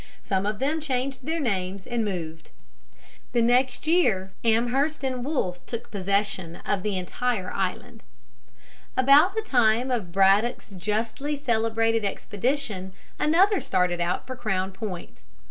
Some of them changed their names and moved. The next year after the fox pass of General Loudon, Amherst and Wolfe took possession of the entire island. About the time of Braddock's justly celebrated expedition another started out for Crown Point.